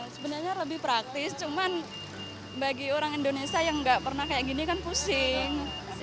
sebenarnya lebih praktis cuman bagi orang indonesia yang nggak pernah kayak gini kan pusing